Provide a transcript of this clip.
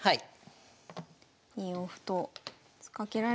はい。